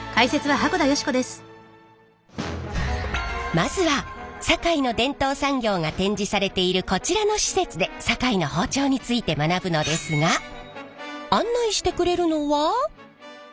まずは堺の伝統産業が展示されているこちらの施設で堺の包丁について学ぶのですがあっ。